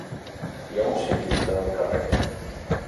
Hi ha un ciclista al carrer.